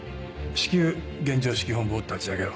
至急現場指揮本部を立ち上げろ。